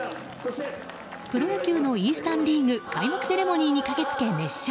プロ野球のイースタン・リーグ開幕セレモニーに駆けつけ、熱唱。